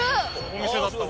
お店だったわ。